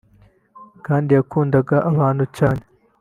kandi yakundaga abantu cyane